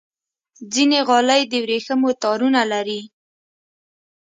ځینې غالۍ د ورېښمو تارونو لري.